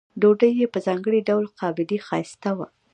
ډوډۍ یې په ځانګړي ډول قابلي ښایسته وه.